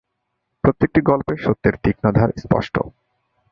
প্রত্যেকটি গল্পে সত্যের তীক্ষ্ণ ধার স্পষ্ট।